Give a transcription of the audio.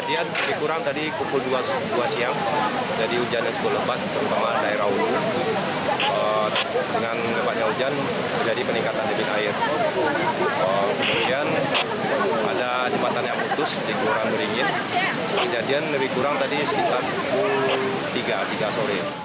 ini sekitar tiga sore